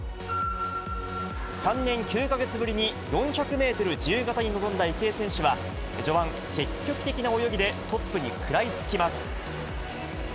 ３年９か月ぶりに４００メートル自由形に臨んだ池江選手は、序盤、積極的な泳ぎでトップに食らいつきます。